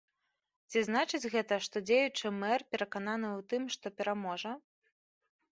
Ці значыць гэта, што дзеючы мэр перакананы ў тым, што пераможа?